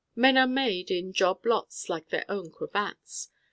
Men are made in 'job lots' like their own cravats.